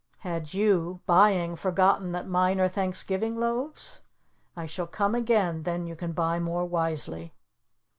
Had you, buying, forgotten that mine are Thanksgiving loaves? I shall come again; then you can buy more wisely."